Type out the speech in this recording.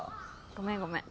ごめんごめん。